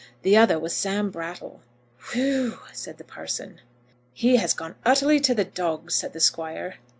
The other was Sam Brattle." "Whew w w," said the parson. "He has gone utterly to the dogs," said the Squire.